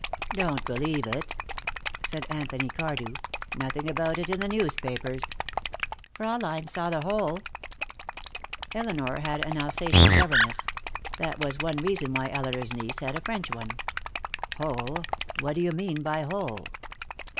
"Don't believe it," said Anthony Cardew. "Nothing about it in the newspapers." "Fraulein saw the hole." Elinor had had an Alsatian governess. That was one reason why Elinor's niece had a French one. "Hole? What do you mean by hole?"